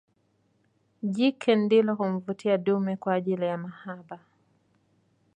Jike ndilo humvutia dume kwaajili ya mahaba